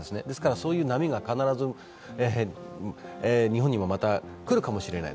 そういう波が必ず日本にもまた来るかもしれない。